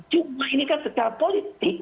cuma ini kan secara politik